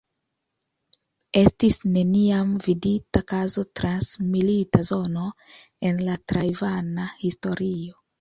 Estis neniam vidita kazo trans milita zono en la tajvana historio.